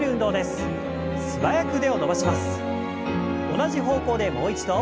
同じ方向でもう一度。